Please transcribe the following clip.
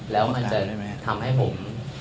แล้วมันจะทำให้ผม